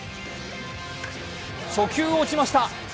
初球を打ちました。